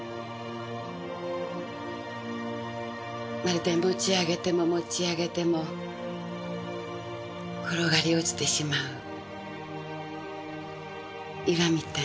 まるで持ち上げても持ち上げても転がり落ちてしまう岩みたいに。